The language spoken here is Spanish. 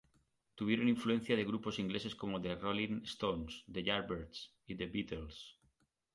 Tuvieron influencia de grupos ingleses como The Rolling Stones, The Yardbirds y The Beatles.